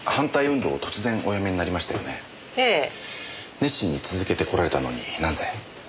熱心に続けてこられたのになぜ？